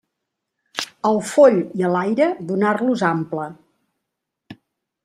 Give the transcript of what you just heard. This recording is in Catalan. Al foll i a l'aire, donar-los ample.